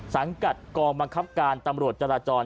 สังกัดกองบังคับการตำรวจจราจร